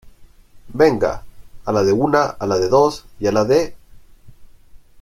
venga, a la de una , a la de dos y a la de...